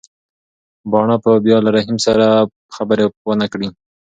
پاڼه به بیا له رحیم سره خبرې ونه کړي.